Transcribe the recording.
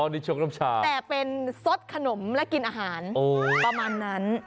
นี่ชกน้ำชาแต่เป็นสดขนมและกินอาหารประมาณนั้น